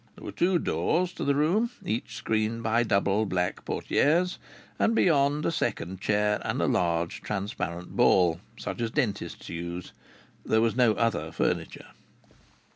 There were two doors to the rooms, each screened by double black portières, and beyond a second chair and a large transparent ball, such as dentists use, there was no other furniture.